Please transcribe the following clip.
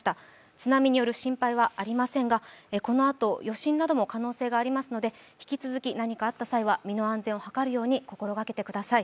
津波による心配はありませんがこのあと余震などの可能性もありますので引き続き何かあった際は身の安全を図るように心がけてください。